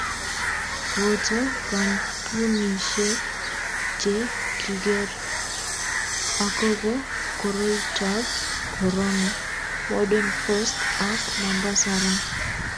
Boto Kampunisiek che kiker akobo koroitab korona Modern coast ak Mombasa Raha